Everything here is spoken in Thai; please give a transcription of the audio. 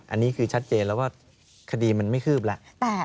อันนี้คือชัดเจนแล้วว่าคดีมันไม่คืบแล้ว